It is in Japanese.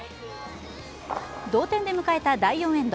同点で迎えた第４エンド。